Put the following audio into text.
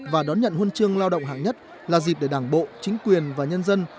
và đón nhận huân chương lao động hạng nhất là dịp để đảng bộ chính quyền và nhân dân